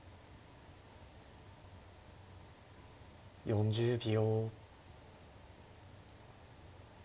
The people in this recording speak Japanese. ４０秒。